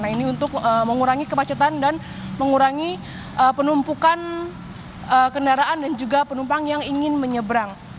nah ini untuk mengurangi kemacetan dan mengurangi penumpukan kendaraan dan juga penumpang yang ingin menyeberang